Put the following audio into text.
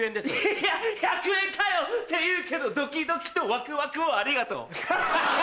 いや１００円かよ！っていうけどドキドキとワクワクをありがとう。